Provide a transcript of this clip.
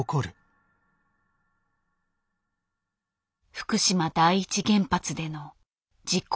福島第一原発での事故。